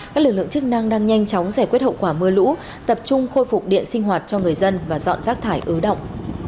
các lực lượng chức năng đang nhanh chóng giải quyết hậu quả mưa lũ tập trung khôi phục điện sinh hoạt cho người dân và dọn rác thải ứ động